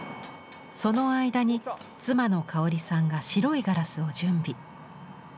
その間に妻のかおりさんが白いガラスを準備。